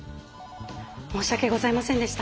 申し訳ございませんでした。